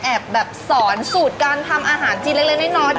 แบบสอนสูตรการทำอาหารจีนเล็กน้อย